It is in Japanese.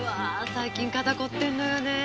最近肩凝ってるのよね。